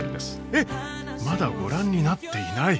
えっまだご覧になっていない！？